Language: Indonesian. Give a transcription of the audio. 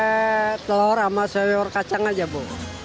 kayak telur sama sayur kacang aja bu